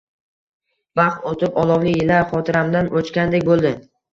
Vaqt o`tib, olovli yillar xotiramdan o`chgandek bo`ldi